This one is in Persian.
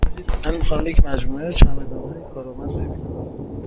من می خواهم یک مجموعه چمدانهای کارآمد ببینم.